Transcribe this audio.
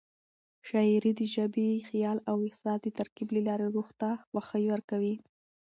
شاعري د ژبې، خیال او احساس د ترکیب له لارې روح ته خوښي ورکوي.